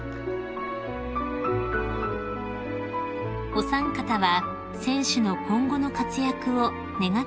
［お三方は選手の今後の活躍を願っていらっしゃいました］